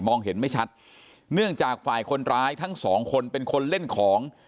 เห็นไม่ชัดเนื่องจากฝ่ายคนร้ายทั้งสองคนเป็นคนเล่นของ